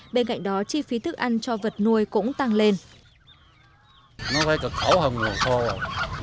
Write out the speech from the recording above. bên cạnh đó chi phí thức ăn cho vật nuôi cũng tăng lên